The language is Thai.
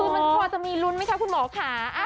คือมันพอจะมีลุ้นไหมคะคุณหมอค่ะ